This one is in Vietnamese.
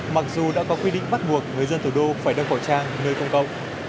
mặc dù đã có quy định bắt buộc người dân thủ đô phải đeo khẩu trang nơi công cộng